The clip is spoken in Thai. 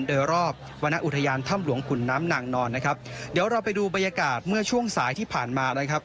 โดยรอบวรรณอุทยานถ้ำหลวงขุนน้ำนางนอนนะครับเดี๋ยวเราไปดูบรรยากาศเมื่อช่วงสายที่ผ่านมานะครับ